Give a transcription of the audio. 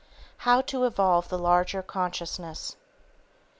HOW TO EVOLVE THE LARGER CONSCIOUSNESS.